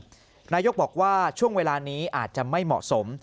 นายกบอกว่าช่วงเวลานี้อาจจะไม่เหมาะสม